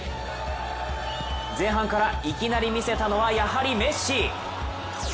前半からいきなり見せたのはやはりメッシ。